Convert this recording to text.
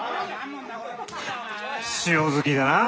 塩好きだなあ。